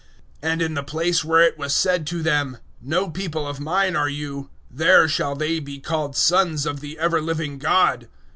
009:026 And in the place where it was said to them, `No people of Mine are you,' there shall they be called sons of the everliving God."